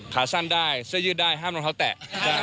ขาสั้นได้เสื้อยืดได้ห้ามรองเท้าแตะ